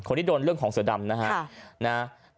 คนที่โดนเรื่องของเสือดำนะครับ